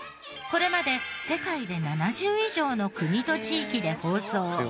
これまで世界で７０以上の国と地域で放送。